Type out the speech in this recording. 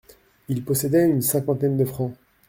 Il possédait une cinquantaine de francs.